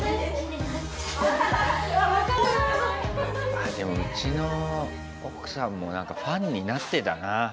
あ、でもうちの奥さんも何かファンになってたな。